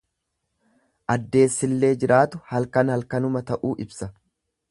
Addeessillee jiraatu halkan halkanuma ta'uu ibsa.